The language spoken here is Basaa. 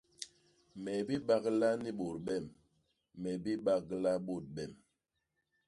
Me bibagla ni bôt bem, me bibagla bôt bem.